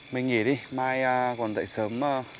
mình nghỉ đi mai còn dậy sớm